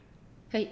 はい。